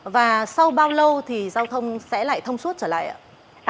và sau bao lâu thì giao thông sẽ lại thông suốt trở lại ạ